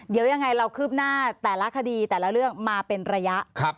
เดี๋ยวยังไงเราคืบหน้าแต่ละคดีแต่ละเรื่องมาเป็นระยะ